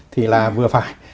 thì là vừa phải